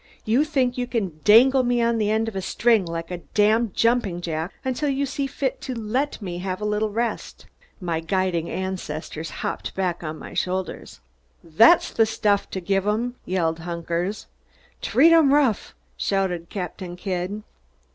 You think you can dangle me on the end of a string, like a damned jumping jack, until you see fit to let me have a little rest." My guiding ancestors hopped back on my shoulders. "That's the stuff to give 'em!" yelled Hunkers. "Treat 'em rough!" shouted Captain Kidd.